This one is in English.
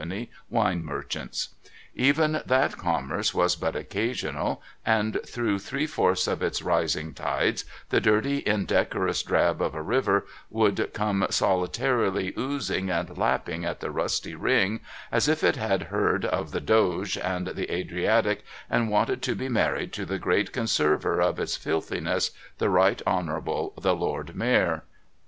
Wine Merchants. Even that commerce was but occasional, and through three fourths of its rising tides the dirty indecorous drab of a river would come solitarily oozing and lapping at the rusty ring, as if it had heard of the Doge and the Adriatic, and wanted to be married to the great conserver of its filthiness, the Right Honourable the Lord Mayor.